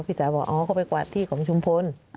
พี่สาวบอกเขามันไปกวาดที่ของชุมพ้น